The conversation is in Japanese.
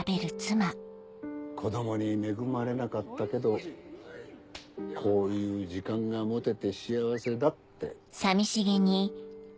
子供に恵まれなかったけどこういう時間が持てて幸せだって。